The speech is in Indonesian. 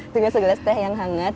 dengan segelas teh yang hangat